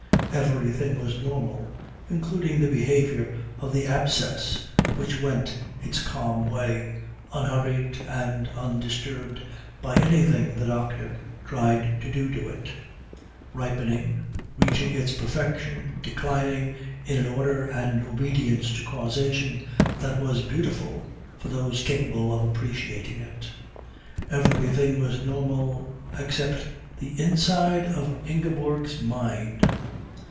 Everything was normal, including the behaviour of the abscess, which went its calm way, unhurried and undisturbed by anything the doctor tried to do to it, ripening, reaching its perfection, declining, in an order and obedience to causation that was beautiful for those capable of appreciating it. Everything was normal except the inside of Ingeborg's mind.